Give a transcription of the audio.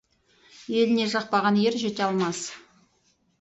Еліне жақпаған ер жете алмас.